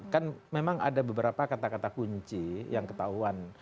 kan memang ada beberapa kata kata kunci yang ketahuan